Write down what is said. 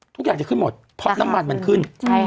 ทุกอย่างจะขึ้นหมดเพราะน้ำมันมันขึ้น